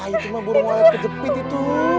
itu mah burung buru kejepit itu